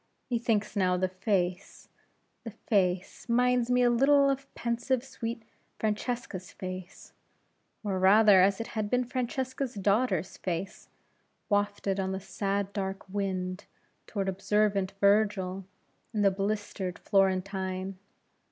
Methinks now the face the face minds me a little of pensive, sweet Francesca's face or, rather, as it had been Francesca's daughter's face wafted on the sad dark wind, toward observant Virgil and the blistered Florentine.